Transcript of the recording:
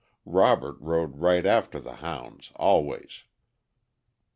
Robert rode right after the hounds always.